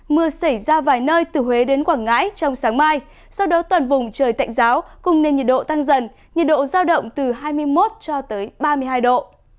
mưa xảy ra vài nơi từ huế đến quảng ngãi trong sáng mai sau đó toàn vùng trời tạnh giáo cùng nền nhiệt độ tăng dần nhiệt độ giao động từ hai mươi một cho tới ba mươi hai độ